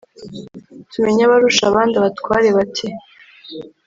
tumenye abarusha abandi». abatware bati